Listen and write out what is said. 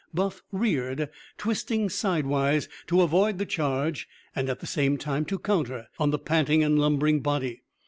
Buff reared, twisting sidewise to avoid the charge and at the same time to counter on the panting and lumbering body.